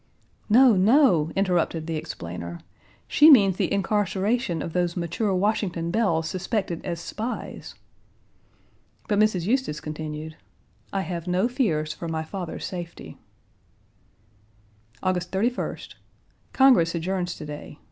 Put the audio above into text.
"No, no," interrupted the explainer, "she means the incarceration of those mature Washington belles suspected as spies." But Mrs. Eustis continued, "I have no fears for my father's safety." August 31st. Congress adjourns to day.